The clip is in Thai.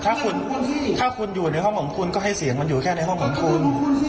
ถ้าคุณถ้าคุณอยู่ในห้องของคุณก็ให้เสียงมันอยู่แค่ในห้องของคุณ